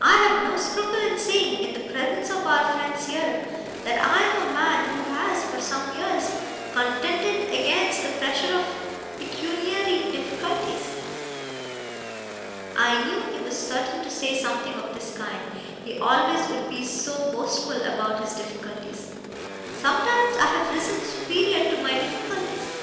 'I have no scruple in saying, in the presence of our friends here, that I am a man who has, for some years, contended against the pressure of pecuniary difficulties.' I knew he was certain to say something of this kind; he always would be so boastful about his difficulties. 'Sometimes I have risen superior to my difficulties.